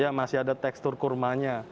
ya masih ada tekstur kurmanya